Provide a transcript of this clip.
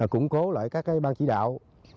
củng cố lại các ban chỉ đạo